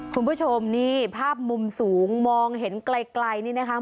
คุณผู้ชมนี่ภาพมุมสูงมองเห็นไกลนี่นะคะ